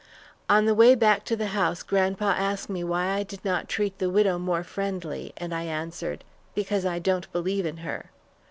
On the way back to the house grandpa asked why I did not treat the widow more friendly, and I answered, "Because I don't believe in her."